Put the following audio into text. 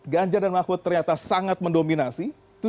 ganjar dan mahfud ternyata sangat mendominasi